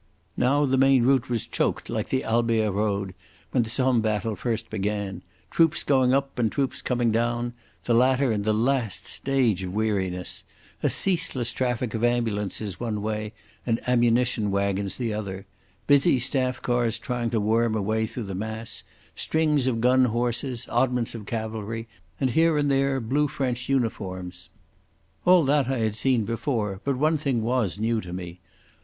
Now the main route was choked like the Albert road when the Somme battle first began—troops going up and troops coming down, the latter in the last stage of weariness; a ceaseless traffic of ambulances one way and ammunition waggons the other; busy staff cars trying to worm a way through the mass; strings of gun horses, oddments of cavalry, and here and there blue French uniforms. All that I had seen before; but one thing was new to me.